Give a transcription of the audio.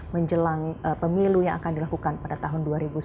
menjelang pemilu yang akan dilakukan pada tahun dua ribu sembilan belas